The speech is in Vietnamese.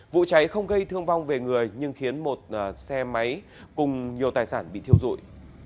vụ cháy không gây thương vong về người nhưng khiến một xe máy cùng nhiều tài sản bị thiêu dụi